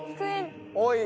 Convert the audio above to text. おい！